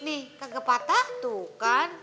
nih kagak patah tuh kan